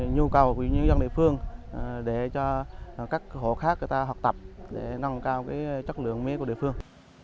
nhu cầu của những dân địa phương để cho các hộ khác họp tập để nâng cao chất lượng mế của địa phương